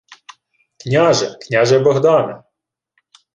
— Княже!.. Княже Богдане!..